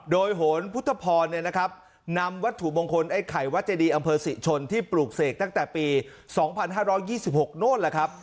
โดยโหนพุทธพรนำวัตถุมงคลไอ้ไข่วัดเจดีอำเภอศรีชนที่ปลูกเสกตั้งแต่ปี๒๕๒๖โน่นล่ะครับ